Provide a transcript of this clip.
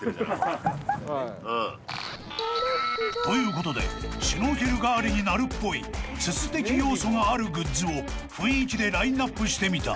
［ということでシュノーケル代わりになるっぽい筒的要素があるグッズを雰囲気でラインアップしてみた］